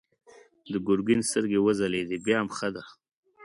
د ګرګين سترګې وځلېدې: بيا هم ښه ده.